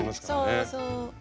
そうそう。